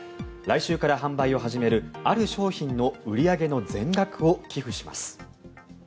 来週から販売を始めるある商品の売り上げの全額を寄付します。